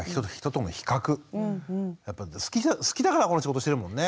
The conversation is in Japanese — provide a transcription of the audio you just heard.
やっぱり好きだからこの仕事してるもんね。